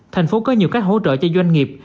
thành phố có nhiều cách hỗ trợ cho doanh nghiệp